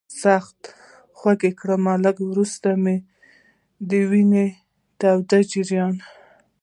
سخت یې خوږ کړم، لږ وروسته مې د وینې تود جریان.